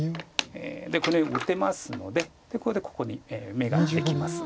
でこのように打てますのでこれでここに眼ができます。